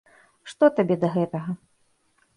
Што табе да гэтага?